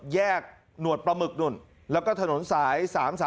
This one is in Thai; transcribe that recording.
หนวดปลาหมึกนู่นแล้วก็ถนนสาย๓๓